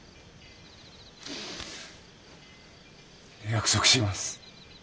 約束します。